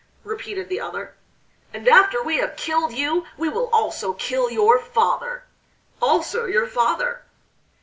repeated the other. "And after we have killed you, we will also kill your father!" "Also your father!"